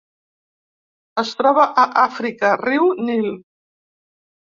Es troba a Àfrica: riu Nil.